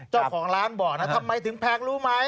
เจ้าของร้านบอกนะทำไมถึงแพงรู้ไหม